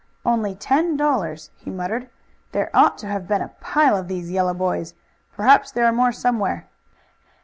"Only ten dollars!" he muttered. "There ought to have been a pile of these yellow boys. Perhaps there are more somewhere."